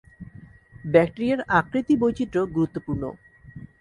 ব্যাকটেরিয়ার আকৃতি-বৈচিত্র গুরুত্বপূর্ণ।